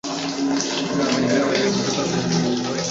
আমেরিকায় পৌঁছেও কলম্বাসের ভ্রম যায়নি যে, এ ভারতবর্ষ নয়।